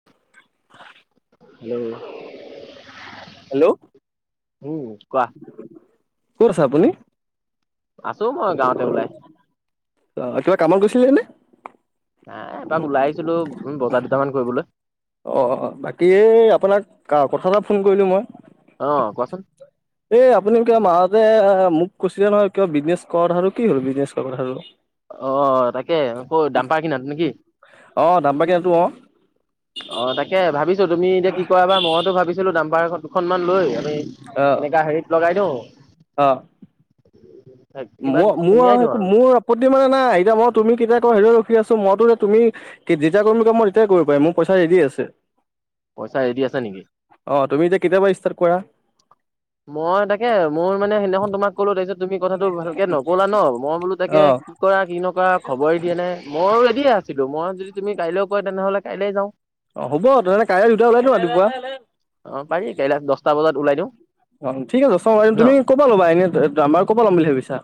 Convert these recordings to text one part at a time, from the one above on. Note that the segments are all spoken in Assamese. [unintelligible] হেল্ল হেল্ল' উম কোৱা ক'ত আছে আপুনি? আছো মই গাঁৱতে ওলাই অ কিবা কামত গৈছিলে নে এ এপাক ওলাই আহিছিলো উ বজাৰ দুটামান কৰিবলৈ অঁ বাকী এই আপোনাক কথা এটা ফোন কৰিলোঁ মই। অ কোৱাচোন? এই আপুনি কিয়। মাহতে মোক কৈছিলে নহয় কিবা বিজনেছ কৰা কথাতো কি হল বিজনেছ কৰা কথাতো? অ তাকে আকৌ দাম পাৰ কিন নেকি? অঁ দামপা কিনাটো অঁ। অ তাকে ভাবিছো তুমি এতিয়া কি কৰাবা মইতো ভাবিছিলো দামপাৰ এখন দুখনমান লৈ আমি অ' এনেকা হেৰিত লগাই দিওঁ কিবা মই সুমিয়াই মোৰ দিওঁ - আৰু মোৰ আপত্তি মানে নাই এতিয়া মই তুমি কেতিয়া ক সেইটোৱে ৰখি আছো মইতো নে তুমি কি যেতিয়া কৰিবম ক মই তেতিয়াই কৰিব পাৰি মোৰ পইচা ৰেদি আছে। পইচা ৰেডি আছে নেকি? অঁ তুমি এতিয়া কেতিয়াবা ষ্টাৰ্ট কৰা? মই তাকে মোৰ মানে সেইদিনাখন তোমাৰ ক'লো তাৰপিছত তুমি কথাটো ভালকে নপলা ন মই বোলো তাকে অ' কি কৰা কি নকৰা খবৰে দিয়ে নে মই ৰেডিয়ে আছিলো, মই যদি তুমি কাইলৈও কয় তেনেহ'লে কাইলে যাওঁ। অ হ'ব তেনে কাইলৈ দুটা ওলাই নো ৰাতিপুৱা? অ পাৰি কাইলৈ দচটা বজাত ওলাই দিওঁ। অ ঠিক আছে চ ব ন তুমি ক'ব পৰা ল'বা এনে আমাৰ ক'ব পৰা ল'ম বুলি ভাবিছা?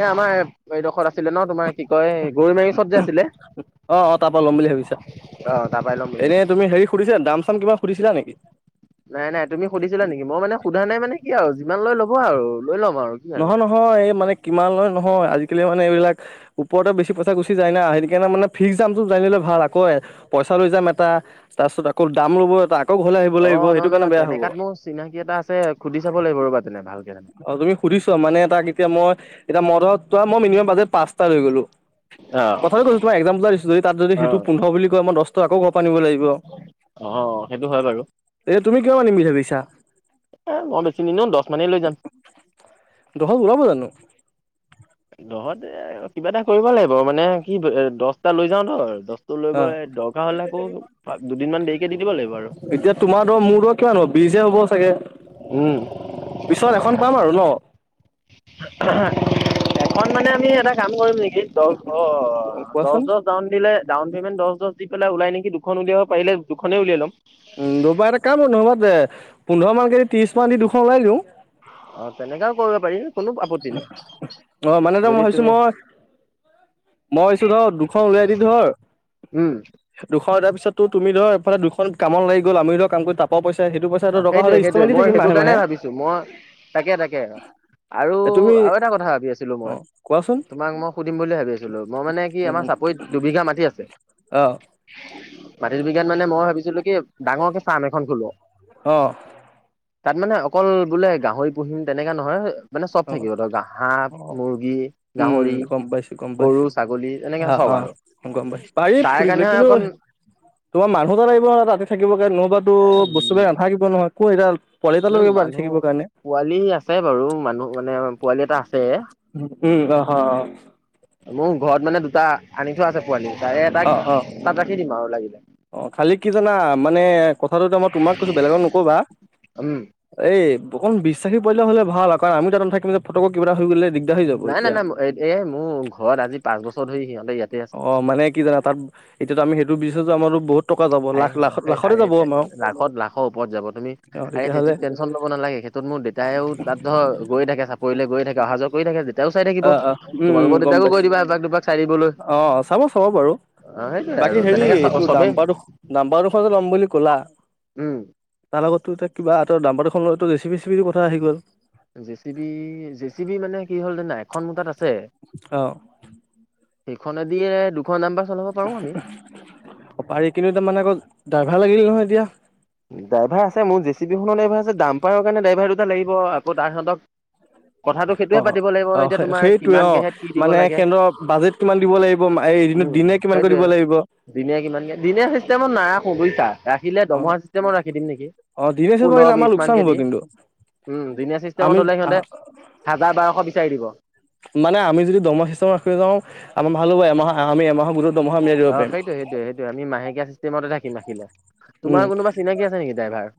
এ আমাৰ বাৰডোখৰত আছিলে ন তোমাৰ কি কয় গৰৈ মাৰি ওচৰত যে আছিলে? অ অ তাৰপ আহ তাপাই লম বুলিছো। সুধিছিলা দাম - চাম কিবা সুধিছিলা নেকি? নাই নাই তুমি সুধিছিলা নেকি? মই মানে সোধা নাই মানে কি আৰু যিমান লৈ ল'ব আৰু লৈ ল'ম আৰু কি আৰু। নহয় নহয়। এই মানে কিমান লয় নহয় আজিকালি মানে এইবিলাক ওপৰতে বেছি পইচা গুচি যায়াই সেই কাৰণ মানে ফিক্সামটো জানিলে ভাল আকৌ এ পইচা লৈ যাম এটা তাৰ পিছত আকৌ দাম লব এটা আকৌ ঘৰলৈ আহিব অ লাগিব সেইটো নহয় নহয় কাৰণে নহয় বেয়া হ'ব। তেনেকাত মোৰ চিনাকি এটা আছে সুধি চাব লাগিব ৰ'বা তেনে ভালকে তেনে। অ তুমি সুধিছ মানে তাক এতিয়া মই এতিয়া মদত মই মিনিমাম বাজেট পাঁচটা লৈ গলো। অ কথা কৈছো তই একজামপুলো দিছো যদি তাত যদি অ সেইটো পোন্ধৰ বুলি কয় মই দচ তই আকৌ ঘৰত নিব লাগিব অ সেইটো হয় বাৰু এতিয়া তুমি কিমান আনিম বুলি ভাবিছা? এ মই বেছি নিদিওঁ দচ মানেই লৈ যাম। দহল ওলাব জানো? দহতে এ কিবা এটা কৰিব লাগিব মানে কি এ দচটা লৈ যাওঁ ন দহ এটো লৈ অ গৈ দৰকাৰ হলে আকৌ দুদিনমান দেৰিকে দি দিব লাগিব আৰু। এতিয়া তোমাৰ ধৰ মূৰত কিমান হ'ব বিজে হ'ব চাগে? উম। পিছত এখন পাম আৰু ন? আহাঁ এখন মানে আমি এটা কাম কৰিম নেকি? দহ অ দহ কোৱাচোন দচ ডাউন দিলে ডাউন পেমেণ্ট দছ দছ দি পেলাই ওলাই নেকি দুখন উলিয়াব পাৰিলে দুখনেই উলিয়াই ল'ম। উম দবাৰ এটা কাম নহোবা এ পোন্ধৰ মান কদি ত্ৰিশ মান দি দুখন ওলাই দিওঁ। অ তেনেকাও কৰিব পাৰি, কোনো আপত্ত ধ মানে দে মই ভাবিছো মই মই আহিছো ৰ দুখন উলাই দি ধৰ উম। দুখন এ দাৰ পিছতো তুমি ধৰা এফালে দুখন কামত লাগি গল আমি ধক কাম কৰি তাপৰ পইচা সেইটো পইচ ত এইটো দৰকাৰ হলে ইষ্টমান দি থাকি মাহে মাহে। দু মই, তাকে - তাকে আৰু তুমি -আৰু এটা কথা ভাবি আছিলো অ মই? কোৱাচোন তোমাক মই সুধিম বুলি ভাবি আছিলো, মই মানে কি উম আমাৰ উম চাপৰিত দুবিঘা মাটি আছে। অ মাটিৰ বিঘাত মানে মই ভাবিছিলো কি ডাঙৰকে ফাৰ্ম এখন খুলো। অ' তাত মানে অকল বোলে গাহৰি পুহিম তেনেকা নহয়। মানে চব অ থাকিব ধৰ হাঁহ, অ মুৰ্গী, উম গাহৰি, গম পাইছো গম পাইছো গৰু, ছাগলী, অ এনেকৈ অ চব আৰু গম পাইছোঁ পাৰি তাৰ খুলিবলৈ কাৰণেহে কিন্তু অকণ তোমাৰ মানুহ এটা লাগিব ৰাতি থাকিব কাৰণে নহ'বাতো বস্তু বি থাকিব নহয়। ক' এডাল পোৱালি এটা মানে লৈ ল'ব ৰাতি মানুহ থাকিবৰ কাৰণে পোৱালি আছে বাৰু মানুহ মানে পোৱালি এটা আছে। উম অ হ মোৰ ঘৰত মানে দুটা আনি থোৱা আছে পোৱালি তাৰে অ এটাক অ অ তাত ৰাখি দিম আৰু লাগিলে। অ' খালি কি জানা, মানে কথাটো এতিয়া মই তোমাক কৈছোঁ বেলেগক নকবা। উম এই অকণ বিশ্বাসী পোৱালি এটা হ'লে ভাল আকৌ আমি তাত নাথাকিম যে ফটকে কিবা এটা হৈ গ'লে দি নাই-নাই-নাই এই মোৰ ঘৰত আজি পাঁচ বছৰ ধৰি সিহঁতে ইয়াতে আছে। অ', মানে কি জানা তাত এতিয়াটো আমি সেইটো [unintelligible] যাম আৰু বহুত টকা যাব লাখ লাখত লাখতে যাব আমাৰ [unintelligible] লাখত লাখৰ ওপৰত যাব, তুমি অ আৰে তেতিয়াহ'লে সেইটোত টেনশন ল'ব নালাগে সেইটোত মোৰ দেউতায়েও তা ধৰ গৈ থাকে চাপৰিলে গৈ থাকে অহা যোৱা কৰি থাকে যেতিয়াও চাই থাকিব। অ অ উম উম তোমালোকৰ গম দেউতাকো পাইছো গৈ দিবা এবাক দুবাক অ' চাব-চাব বাৰু অ সেইটোয়ে আৰু বাকী হেৰি তেনেকে তোৰ চবেই ডাম্পাৰ ডাম্পাৰ দুখন যে ল'ম বুলি কলা উম তাৰ লগতো এতিয়া কিবা এটা জাম্পাৰ দুখনৰটো জে চি বি চেসিবিৰো কথা আহি গ'ল। J C B J C B মানে কি হ'ল জানা এখন মোৰ তাত আছে। অ সেইখনেদিয়ে দুখন ডাম্পাৰ চলাব পাৰোঁ আমি। অ' পাৰি কিন্তু তাৰ মানে আকৌ ড্ৰাইভাৰ লাগিল নহয় এতিয়া। ড্ৰাইভাৰ আছে মোৰ জে চি বিখনৰ ড্ৰাইভাৰ আছে, ডাম্পাৰৰ কাৰণে ড্ৰাইভাৰ দুটা লাগিব, আকৌ তাহাঁতক অ'-অ', তোমাৰ সেইটোৱে কিমান কেহেত কি অ' দিব মানে লাগে সিহঁতৰ বাজেট কিমান দিব লাগিব এদিনত উম দিনে কিমান কৰি সেইটোয়ে দিব লাগিব। দিনে কিমানকে, দিনে চিষ্টেমত নাৰাখোঁ বুজিছা, ৰাখিলে অ দৰ্মহা চিষ্টেম চিষ্টেমত ৰাখি দিম নেকি অ দিনে হিচাপে পোন্ধৰ, আহিলে আমাৰ বিশ লোকচান মানকে হ'ব দি? কিন্তু উম দিনীয়া আমি চিষ্টেমত হ'লে সিহঁতে হাজাৰ বাৰশ বিচাৰি দিব। মানে আমি যদি দৰ্মহা চিষ্টেমত ৰাখিব যাওঁ, আমাৰ ভাল হ'ব এমাহ আমি এমাহৰ মূৰত অ', সেইটোৱে-সেইটোৱে-সেইটোৱে আমি মাহেকীয়া চিষ্টেমতে ৰাখিম ৰাখিলে। উম তোমাৰ কোনোবা চিনাকি আছে নেকি ড্ৰাইভাৰ?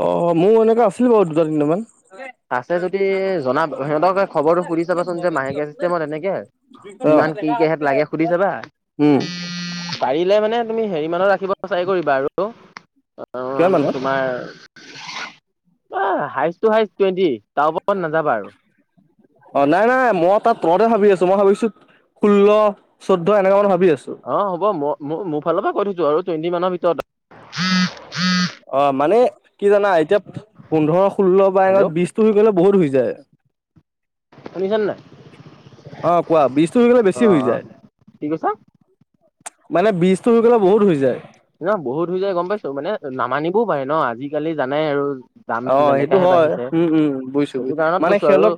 অ' মোৰ এনেকে আছিলি বাৰু দুটা তিনিটা মান। আছে যদি জনাব, সিহঁতক খবৰটো সুধি চাবাচোন যে মাহেকীয়া চিষ্টেমত এনেকে অ কিমান কি কিহত লাগে সুধি চাবা উম। পাৰিলে মানে তুমি হেৰি মানত ৰাখিব চাই কৰিবা আৰু কিমান কাৰণ মানত তোমাৰ হাইষ্ট টু হাইষ্ট টুৱেণ্টি। তাৰ ওপৰত নাযাবা আৰু। অ', নাই-নাই মই তাত তলতে ভাবি আছোঁ মই ভাবিছোঁ ষোল্ল, চৈধ্য এনেকুৱা মান ভাবি আছোঁ। অ' হ'ব মই ম মোৰ ফালৰ পৰা কৈ থৈছোঁ আৰু টুৱেণ্টি মানৰ ভিতৰত [inaudible] অ' মানে বুজিছা কি জানাঁ এতিয়া পোন্ধৰ ষোল্ল বা [unintelligible] হেল্ল' বিশ টো হৈ গ'লে বহুত হৈ যায়। শুনিছানে নাই? অ' কোৱা বিশটো হৈ গ'লে অ বেছি হৈ অ যায়। কি কৈছা মানে বিশটো হৈ গ'লে বহুত হৈ যায়। ন' বহুত হৈ যায় গম পাইছোঁ, মানে নামানিবও পাৰে ন', আজিকালি জানাই আৰু। দাম অ', এইটো যেনেকাহে হয়, বাঢ়িছে উম-উম সেইটো বুজিছোঁ-বুজিছোঁ কাৰণত মানে কৈছো আৰু সিহঁতক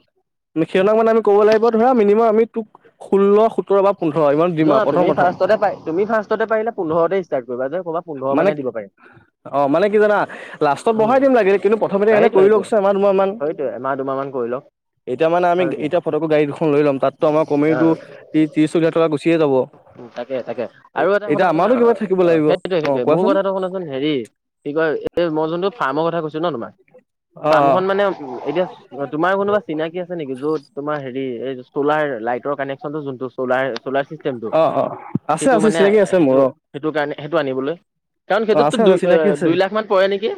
সিহঁতক মানে আমি ক'ব লাগিব ধৰা মিনিমাম আমি তোক ষোল্ল সোতৰ বা পোন্ধৰ ইমান দিম আৰু নহয় প্ৰথম তুমি প্ৰথম ফাৰ্ষ্টতে প তুমি ফাৰ্ষ্টতে পাৰিলে পোন্ধৰতে ষ্টাৰ্ট কৰিবা যে ক'বা পোন্ধৰ মানে দিব পাৰে। অ', মানে কি জানা লাষ্টত বঢ়াই দিম লাগিলে কিন্তু প্ৰথমতে এনে সেইটোৱে কৰি সেইটোৱে লওঁকচোন এমাহ দুমাহ মান। সেইটোৱে এমাহ দুমাহ মান কৰি লওঁ। এতিয়া মানে আমি এতিয়া ফটোকো গাড়ী দুখন লৈ লম, তাততো আমাৰ কমেওঁ টো ত্ৰি ত্ৰিশ চল্লিশ হাজাৰ টকা গুচি উ', তাকে-তাকে আৰু এটা এতিয়া শুনা-শুনা আমাৰো কিবা থাকিব অ লাগিব সেইটোৱে সেই অ' টোৱে মোৰ কোৱাচোন কথাটো শুনাচোন হেৰি কি কয় এই মই যোনটো ফাৰ্মৰ কথা কৈছো ন তোমাক অ' ফাৰ্মখনন মানে এতিয়া তোমাৰ কোনোবা চিনাকি আছে নেকি যত তোমাৰ হেৰি এই চ'লাৰ লাইটৰ কানেকশ্যনটো যোনটো চলাৰ-চলাৰ চিচ তেমটো অ' অ' অ' আছে সেইটো আছে মানে চিনাকি আছে মোৰ সেইটো অ' সেইটো কাৰণে সেইটো আনিবলৈ, কাৰণ অ' সেইটোতো আছে দুই আছে চিনাকি আছে দুই লাখ মান পৰে নেকি?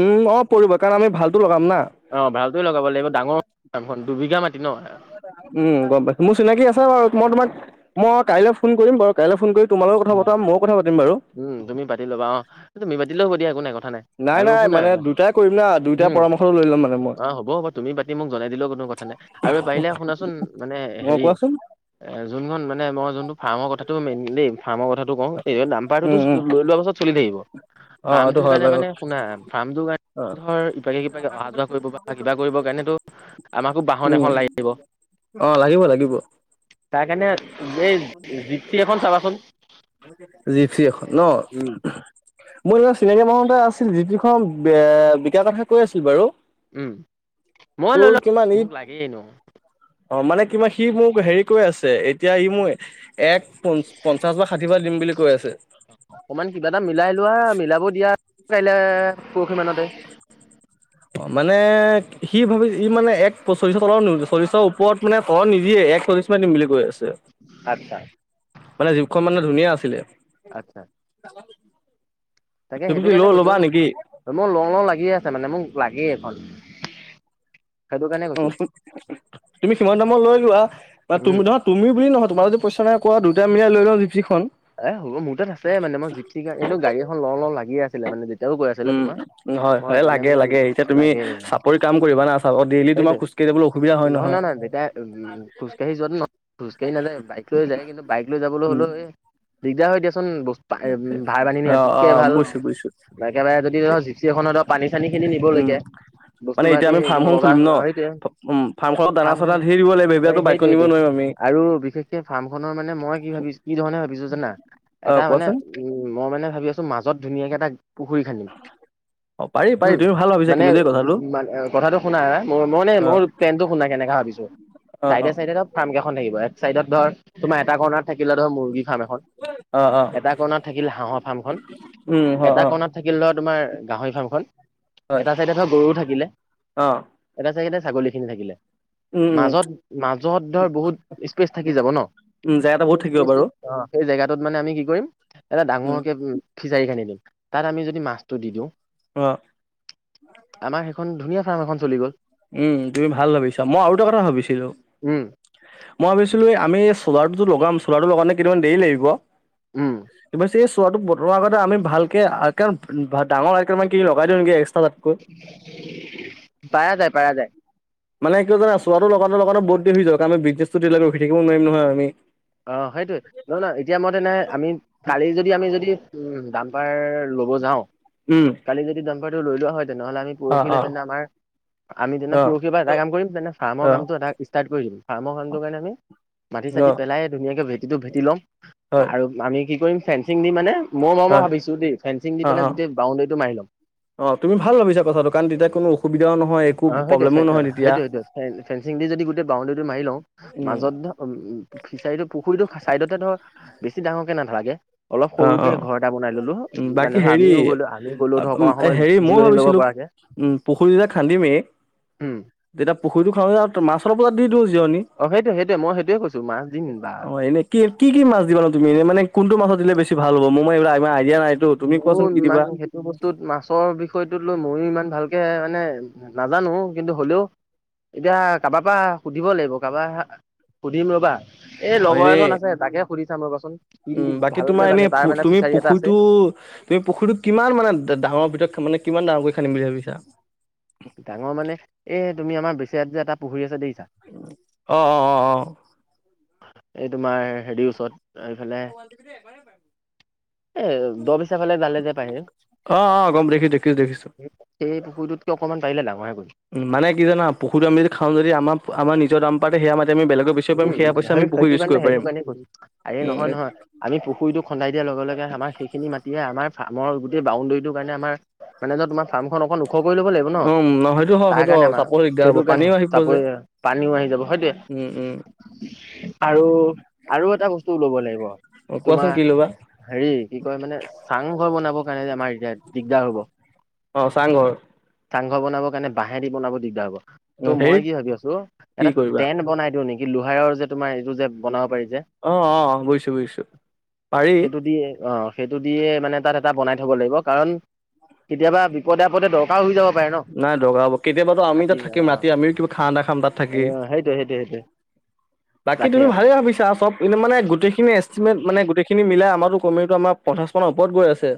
উম, অ', পৰিব কাৰণ আমি ভালটো লগাম না? অ', ভালটোৱে লগাব লাগিব। ডাঙৰ ফাৰ্ম খন, দুবিঘা মাটি ন? উম', গম পাইছোঁ মোৰ চিনাকি আছে বাৰু মই তোমাক মই কাইলৈ ফোন কৰিম বাৰু। কাইলৈ ফোন কৰি তোমাৰ লগত কথা উম পতাম মইও কথা পাতিম বাৰু। উম তুমি পাতি লবা অ তুমি পাতিলে হ'ব দিয়া একোই কথা নাই। আৰু নাই শুনা মানে দুটাই কৰিম না দুইটাই উম। পৰামৰ্শটো লৈ ল'ম মানে মই অ', হ'ব-হ'ব তুমি পাতি মোক জনাই দিলেও কোনো কথা নাই। আৰু পাৰিলে শুনাচোন মানে অ' হেৰি কোৱাচোন এ যোনখন মানে মই যোনটো ফাৰ্মৰ কথাটো মেইন দেই ফাৰ্মৰ কথাট টো কও এই উম দাম্পাৰটোতো উম লৈ লোৱা পাছত চলি থাকিব। অ' এইটো ফাৰ্মটো হয় কাৰণে বাৰু মানে শুনা ফাৰ্মটো কান অ' ধৰ ইপাকে সিপাকে অহা যোৱা কৰিব বা কিবা কৰিব কাৰনেতো আমাকো বাহন উম এখন লাগিব। অ' লাগিব লাগিব তাৰ কাৰণে এই জিপ চি এখন চাবাচোন। জিপচি এখন ন। উম, মোৰ লগত চিনাকি মানুহ এটা আছিল জিপচিখন বিকা কথা কৈ আছিল বাৰু। উম মই তোৰ লৈলও কিমান ই মোক লাগেই এনেইও। অ মানে কিবা সি মোক হেৰি কৈ আছে এতিয়া ই মোৰ এক প পঞ্চাশ বা। কিবা দিম বুলি কৈ আছে। অকমান কিবা এটা মিলাই লোৱা মিলাব দিয়া কাইলে পৰহি মানতে। অ মানে সি ভাবি ই মানে এক চল্লিশৰ তলৰ চল্লিশৰ ওপৰত মানে তলৰ নিদিয়ে এক চল্লিশ দিম বুলি কৈ আছে। আচ্ছা - মানে জীপখন মানে ধুনীয়া আছিলে। আচ্ছা তুমি কি ল' ল'বা নেকি? ম লং লং লাগি আছে মানে মোক লাগেই এখন সেইটো কাৰণে অ কৈছো। তুমি সিমান দামত লৈ যোৱা বা তুমি উম নহত তুমি বুলি নহয় তোমাৰ যদি নাই কোৱা দুইটা মিলাই লৈ লওঁ জিপচিখন। এ হ'ব মোৰ তাত আছে মানে মই জিপ চি এই গডী এখন এনেও লও লও লাগিয়ে আছিলে মানে দেউতাও কৈ আছিলে তোৰ। নহয় হয় লাগে লাগে এতিয়া তুমি চাপৰি কাম কৰিবা না চাব ডেইলি তোমাৰ খোজ কঢ়িবলৈ অসুবিধা হয় নহয়। এতিয়া খোজকাঢ়ি যোৱাত ন খোজ কাঢ়ি নাযায বাইক লৈ যায় কিন্তু বাইক লৈ যাবলৈ উম, হ'লেও এ দিগদাৰ হয় দিয়াচোন বস্তু ভাৰ বান্ধী অ', নিয়াতকে অ', ভাল। বুজিছো বুজিছো একেবাৰে যদি ধৰ জিপচি এখনত ধৰ পানী চানী খিনি উম, নিবলৈকে। মানে বস্তু এতিয়া বাহতি আমি ফাৰ্মখন বজাৰ খুলিম ন। চজাৰ সেইটোৱে উম, ফাৰ্মখনত দানা চানা ফানখন ধেৰ দিব লাগিব এই সেইবিলাকতো বাইকত সেইটোৱে নিব সেইটোৱে। নোৱাৰিম আমি আৰু বিশেষকে ফাৰ্ম খনৰ মানে মই কি ভাবিছো কি ধৰণে ভাবিছো জানা অ', এটা মানে। কোৱাচোন। উম মই মানে ভাবি আছো মাজত ধুনীয়াকে এটা পুখুৰী খান্দিম। অ পাৰি পাৰি উম তুমি ভাল- ভাবিছা মানে কিন্তু দেই কথাটো উ কথাটো শুনা মোৰ মই মোৰ অ', প্লেনটো শুনা কেনেকা ভাবিছো। অ', চাইডে অ', চাইডে ধৰ ফাৰ্ম কেইখন থাকিব এক চাইডত ধৰ তোমাৰ এটা কৰ্ণাৰত থাকিলে ধৰ মুৰ্গী- ফাৰ্ম অ', অ', এটা কৰণাত থাকিল হাঁহৰ ফাৰ্মখন উম, অ', এটা অ', কৰণাত- থাকিল ধৰ তোমাৰ গাহৰি ফাৰ্মখন হয় এটা চাইডে ধৰ গৰুও থাকিলে। অ', এটা চাইডে ছাগলী খিনি থাকিলে। উম, উম, মাজত - মাজত ধৰ বহুত স্পেচ থাকি যাব ন উম, জেগাটা বহুত সেই থাকিব বাৰু স্পেচটো অ সেই জেগাটোত মানে আমি কি কৰিম এটা উম, ডাঙৰকে উ খিচাৰিখিনি দিম, তাত আমি যদি মাছটো দি দিওঁ অ। আমাৰ সেইখন ধুনীয়া ফাৰ্ম এখন চলি গ'ল। উম তুমি ভাল ভাবিছা? মই আৰু এটা কথা ভাবিছিলো? উম মই ভাবিছিলোঁ আমি চ'লাৰটো লগাম চ'লাৰটোৰ লগাওঁতে কেই দিন মান দেৰি লাগিব। উম। কিবা চে এই চোৱাটো বতোৱাৰ আগতে আমি ভালকে ডাঙৰ কিনি লগাই দিওঁ নেকি এক্সট্ৰা তাতকৈ? পাৰা যায় পাৰা যায়। মানে কিয় জানা? চোৱাটো লগাওঁতে লগাওঁতে বহু দেৰি যায় আমি বিজনেছটো দেৰি লৈকে ৰখি থাকিব নোৱাৰিম নহয় আমি। অ সেইটোৱে, নহ নহ এতিয়া মতে নাই আমি কালি যদি আমি যদি উম দাম্পাৰ ল'ব যাওঁ। ওম। কালি যদি দাম্পাৰটো লৈ লোৱা হয় তেনেহ'লে আমি পৰহিলে অ', তেন্তে আমাৰ আমি তেনে অ', পৰষিৰ পৰা এটা কাম কৰিম তেনে ফাৰ্মৰ অ', কামটো এটা ষ্টাৰ্ট কৰি দিম, ফাৰ্মৰ কামটো কাৰণে আমি মাটি - চাটি অ', পেলাই ধুনীয়াকৈ ভেটিটো ভেটি ল'ম হয়, আৰু আমি কি কৰিম ফেঞ্চিং দি মানে মই মই হয়, ভাবিছো দেই ফেঞ্চি দি অ', পেলাই অ'। গোটেই বাউণ্ডৰীটো মাৰি লম। অ তুমি ভাল ভাবিছা কথাটো কাৰণ তেতিয়া কোনো অসুবিধাও নহয় একো প্ৰব্লেমো নহয় তেতিয়া। সেই ফেঞ্চিং দি যদি গোটেই বাউণ্ডেৰীটো মাৰি লওঁ উম, মাজত উম উম ফিছাৰিটো পুখুৰীটো চাইডতে ধৰ বেছি ডাঙৰকে নাঢালাকে। অলপ অ', সৰুকে অ', ঘৰ এটা বনাই ললো, উম, মানে বাকী ধৰা হেৰি আমিও গলো আমি গ'লো ধৰ অকণমান সময় হেৰি ময়ো জিৰণি লব ভাবিছিলোঁ পৰাকে। উম পুখুৰী যেতিয়া খান্দিমেই, উম যেতিয়া পুখুৰীটো খাওঁ যে মাছৰ পজাত দি দিওঁ জিৰণি। অ সেইটোৱে - সেইটোৱে মই সেইটোৱে কৈছো মাছ দিম বা অ এনে কি কি কি মাছ দিবানো তুমি এনেই? মানে কোনটো মাছত দিলে বেছি ভাল হব? মোৰ মনে এইবিলাক ইমান আইডিয়া নাই। ত তুমি মোৰ কোৱাচোন কি ইমান দিবা? সেইটো বস্তুত মাছৰ বিষয়টোত লৈ ময়ো ইমান ভালকে মানে নাজানো কিন্তু হ'লেও এতিয়া কাবাৰ পৰা সুধিব লাগিব কাবাৰ সুধিম ৰ'বা। এই অ লগৰ এনে এজন আছে তাকে সুধি চাম ৰবাচোন? সি উম বাকী ভালকে তোমাৰ জানে এনেই তাৰ পু মানে তুমি ফিচাৰী এটা আছে পুখুৰীটো তুমি পুুখুৰীটো কিমান মানে ডাঙৰ ভিতৰত মানে কিমান ডাঙৰকৈ খানিম বুলি ভাবিছা? ডাঙৰ মানে এই তুমি আমাৰ বেক চাইড যে এটা পুখুৰী আছে দেখিছা? অহ অ অ অ। এই তোমাৰ হেৰি ওচৰত এইফালে [unintelligible] এ দবিছিয়া ফালে জালে যে পায় যে। অ অ গম দেখিছো দেখিছো দেখিছো সেই পুুৰীটোতকে অকণমান পাৰিলে ডাঙৰে কৰিম। উম মানে কি জানা? পুখুৰীতো আমি যদি খাওঁ যদি আমাৰ আমাৰ নিজৰ দাম পাতে সেয়া মাতি আমি বেলেগে বেছ উম সেইটো সেইটো কাৰণে সেইটো কাৰণেই কৈছোঁ আৰে উম নহয় নহয়। আমি পুখুৰীটো খন্দাই দিয়াৰ লগে লগে আমাৰ সেইখিনি মাটিয়ে আমাৰ ফাৰ্মৰ গোটেই বাউণ্ডৰীটো কাৰণে আমাৰ মানে জত তোমাৰ ফাৰ্মখন অকন ওখ কৰি ল'ব লাগিব ন, উম সেইটো হয় তাৰ সেইটো কাৰণে হয় আমাৰ চাপৰ দিগদাৰ হ'ব সেইটোৰ কাৰণে পানীও আহিব যে চাপৰি পানীও আহি যাব হয় দে। উম উম। আৰু আৰু এটা বস্তু লব লাগিব কোৱাচোন তোমাৰ কি ল'বা হেৰি কি কয় মানে চাংঘৰ বনাবৰ কাৰণে যে আমাৰ এতিয়া দিগদাৰ হ'ব। অঁ চাংঘৰ? চাংঘৰ বনাব কাৰণে বাঁহেদি বনাব দিগদাৰ হ'ব। ত' হেৰি মই কি ভাবি আছো, কি এটা কৰিবা টেন বনাই দিও নেকি লোহাৰৰ যে তোমাৰ এইটো যে বনাব পাৰি যে। অ অ বুজিছো বুজিছো পাৰি সেইটো দিয়ে আহ। সেইটো দিয়ে মানে তাত এটা বনাই থ'ব লাগিব কাৰণ কেতিয়াবা বি বিপদে আপদে দৰকাৰ হৈ যাব পাৰে ন? নাই দগাব কেতিয়াবাতো আমি তাত হাতী [inaudible] অ থাকিম ৰাতি আমিও কিবা খানা এটা খাম তাত থাকি অ', সেইটোৱে-সেইটোৱে-সেইটোৱে। বাকী তুমি ভালেই ভাবিছা চব মানে গোটেইখিনি এষ্টিমেট, মানে গোটেইখিনি মিলাই আমাৰটো কমেও পঞ্চাছ মানৰ ওপৰত গৈ আছে।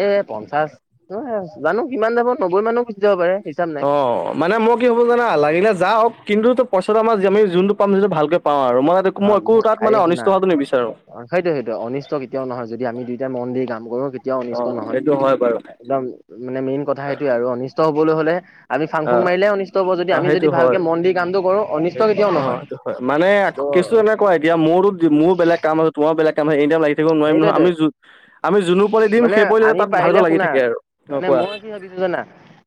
এ পঞ্চাশ [unintelligible] জানোঁ কিমান যাব? নব্বৈ মানো গুচি যাব পাৰে। হিচাপ নাই অ'। মানে মই কি ভাবোঁ জানা? লাগিলে যাওঁক, কিন্তু পইচাটো আমাৰ আমি যোনটো পাম যিটো ভালকে পাওঁ আৰু। মই মই একো তাত মানে অনিষ্ট হোৱাটো নিবিচাৰোঁ। অ', সেইটোৱে-সেইটোৱে অনিষ্ট কেতিয়াও নহয়, যদি আমি দুইটাই মন দি কাম কৰো এতিয়াও অ অনিষ্ট নহয়। সেইটো হয় বাৰু একদম মানে মেইন কথা সেইটোয়ে আৰু অনিষ্ট হবলৈ হলে আমি ফাং অ ফুং মাৰিলে অনিষ্ট হ'ব, যদি অ আমি সেইটো যদি হয় ভালকে মন্দিৰ কামটো কৰোঁ অ অনিষ্ট কেতিয়াও নহয়। সেইটো হয়, মানে ত' কিছু এনেকুৱা এতিয়া মূৰটো মোৰ বেলেগ কাম তোমাৰ বেলেগ কাম হয়, এনি টম লাগি থাকিব নোৱাৰিম নহয়। সেইটোৱেতো আমি যোনবোৰ পোৱালি দিম মানে সেই পোৱালি আমি তাত পাৰিলে ভালকৈ লাগি শুনা থাকে আৰু। মানে এনেকুৱা মই কি ভাবিছো জানা?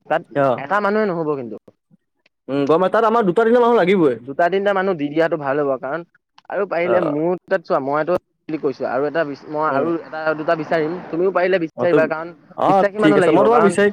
তাত অ এটা মানুহে নহব কিন্তু। উম, গম তাত আমাৰ [unintelligible] [unintelligible] মাহ মান লাগিবই। দুটা তিনিটা মানুহ দি দিয়াটো ভাল হ'ব কাৰণ আৰু অ পাৰিলে মঠ চোৱা মইটো [unintelligible] বুলি কৈছোঁ। আৰু এটা মই উম আৰু এটা দুটা বিচাৰিম, তুমিও পাৰিলে অ বিচাৰিবা কাৰণ অ বিশ্বাসী ঠিক মানুহ আছে মই লাগিব। তোমাক কাৰণ বিচাৰি